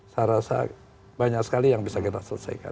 saya rasa banyak sekali yang bisa kita selesaikan